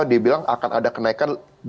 dia bilang akan ada kenaikan dua puluh lima